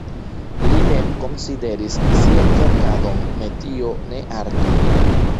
Li mem konsideris sian verkadon metio, ne arto.